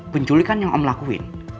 penculikan yang om lakuin